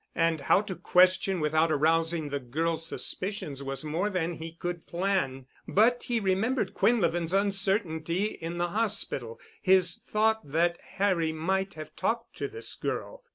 And how to question without arousing the girl's suspicions was more that he could plan. But he remembered Quinlevin's uncertainty in the hospital—his thought that Harry might have talked to this girl.